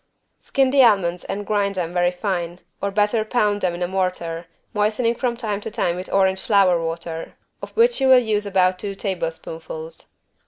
Skin the almonds and grind them very fine, or better pound them in a mortar, moistening from time to time with orange flower water, of which you will use about two tablespoonfuls.